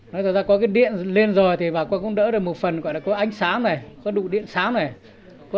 nói thật ra có điện lên rồi cũng đỡ được một phần ánh sáng đủ điện sáng